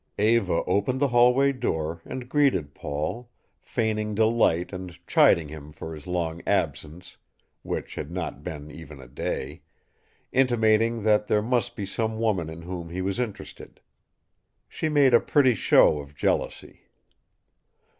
Eva opened the hallway door and greeted Paul, feigning delight and chiding him for his long absence which had not been even a day intimating that there must be some woman in whom he was interested. She made a pretty show of jealousy.